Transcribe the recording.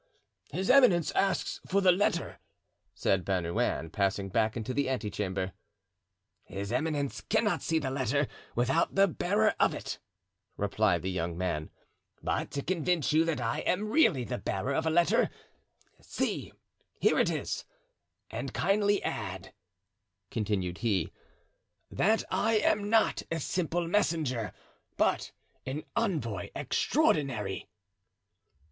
"His eminence asks for the letter," said Bernouin, passing back into the ante chamber. "His eminence cannot see the letter without the bearer of it," replied the young man; "but to convince you that I am really the bearer of a letter, see, here it is; and kindly add," continued he, "that I am not a simple messenger, but an envoy extraordinary."